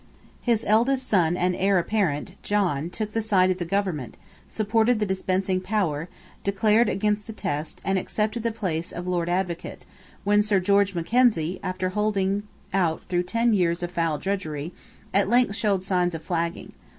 His eldest son and heir apparent, John, took the side of the government, supported the dispensing power, declared against the Test, and accepted the place of Lord Advocate, when Sir George Mackenzie, after holding out through ten years of foul drudgery, at length showed signs of flagging.